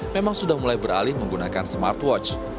memang sudah mulai beralih menggunakan smartwatch